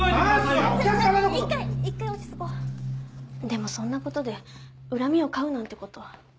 でもそんな事で恨みを買うなんて事。